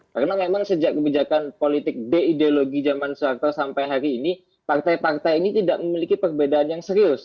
karena memang sejak kebijakan politik de ideologi zaman suwarto sampai hari ini partai partai ini tidak memiliki perbedaan yang serius